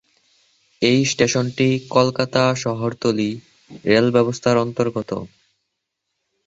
এই স্টেশনটি কলকাতা শহরতলি রেল ব্যবস্থার অন্তর্গত।